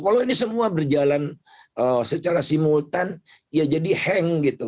kalau ini semua berjalan secara simultan ya jadi hang gitu